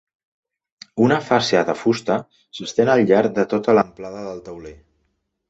Una fàscia de fusta s'estén al llarg de tota la amplada del tauler.